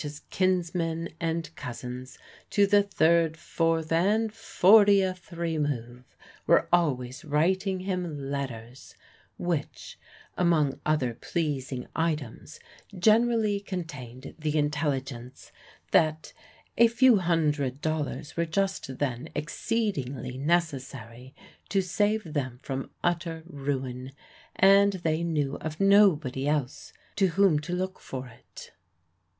's kinsmen and cousins, to the third, fourth, and fortieth remove, were always writing him letters, which, among other pleasing items, generally contained the intelligence that a few hundred dollars were just then exceedingly necessary to save them from utter ruin, and they knew of nobody else to whom to look for it.